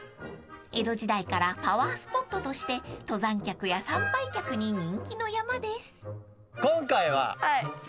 ［江戸時代からパワースポットとして登山客や参拝客に人気の山です］